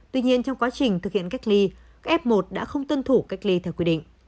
tuy nhiên trong quá trình thực hiện cách ly f một đã không tuân thủ cách ly theo quy định